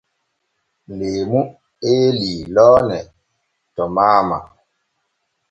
Leemu eelii loone to maama.